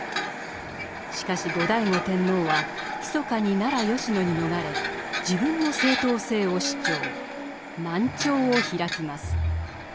しかし後醍醐天皇はひそかに奈良・吉野に逃れ自分の正統性を主張南朝を開きます。